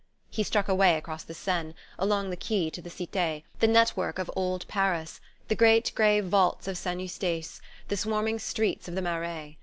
He struck away across the Seine, along the quays to the Cite, the net work of old Paris, the great grey vaults of St. Eustache, the swarming streets of the Marais.